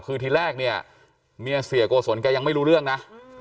คือทีแรกเนี่ยเมียเสียโกศลแกยังไม่รู้เรื่องนะ